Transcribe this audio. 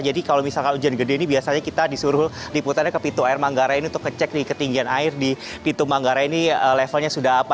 jadi kalau misalkan hujan gede ini biasanya kita disuruh diputarnya ke pintu air manggare ini untuk kecek di ketinggian air di pintu manggare ini levelnya sudah apa